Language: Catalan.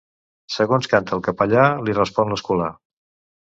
Segons canta el capellà li respon l'escolà.